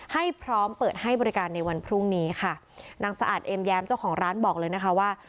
ให้พร้อมเปิดให้บริการในวันพรุ่งนี้ค่ะนางสะอาดเอ็มแย้มเจ้าของร้านบอกเลยนะคะว่า